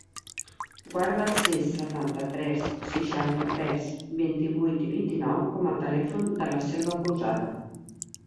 Guarda el sis, setanta-tres, seixanta-tres, vint-i-vuit, vint-i-nou com a telèfon de la Selva Pousada.